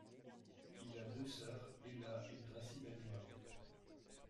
Il a deux sœurs Ella et Gracie Benward.